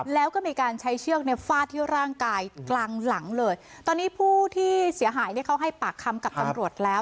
แล้วก็มีการใช้เชือกเนี่ยฟาดที่ร่างกายกลางหลังเลยตอนนี้ผู้ที่เสียหายเนี่ยเขาให้ปากคำกับตำรวจแล้ว